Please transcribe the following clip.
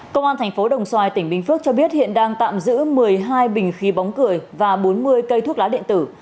công an thành phố đồng xoài tỉnh bình phước cho biết hiện đang tạm giữ một mươi hai bình khí bóng cười và bốn mươi cây thuốc lá điện tử